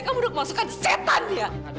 kamu udah masukkan setan ya